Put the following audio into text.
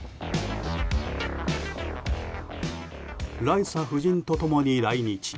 ライサ夫人と共に来日。